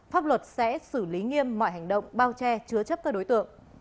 pháp luật sẽ xử lý nghiêm mọi hành động bao che chứa chấp các đối tượng